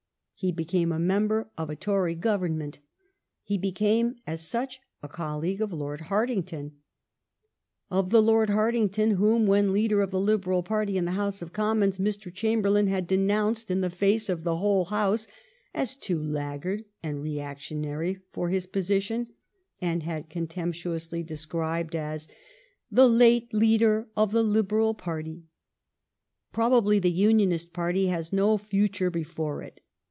He became a menilxr nf a Tory Govern ment. He became, as such, n colleague of Lord Hartington, of the Lord Hart ington whom, when leader of the Libera] party in the House of Commons, Mr. Chamberlain had denounced in the face of the whole House as too laggard and re actionary for his position and had contemptuously described as the " late " leader of fKrom . piwioe i.(^ by F.iiim, s, Fry) ^]^^ Liberal party. Probably the Unionist party has no future before it.